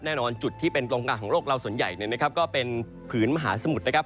แน่นอนจุดที่เป็นกองกลางของโลกเราส่วนใหญ่เนี่ยนะครับก็เป็นผืนมหาสมุทรนะครับ